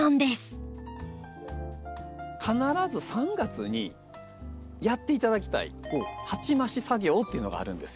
必ず３月にやって頂きたい鉢増し作業っていうのがあるんです。